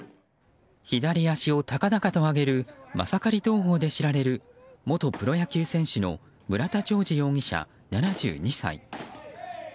左足を高々と上げるマサカリ投法で知られる元プロ野球選手の村田兆治容疑者、７２歳。